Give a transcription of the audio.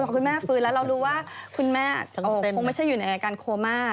พอคุณแม่ฟื้นแล้วเรารู้ว่าคุณแม่คงไม่ใช่อยู่ในอาการโคม่า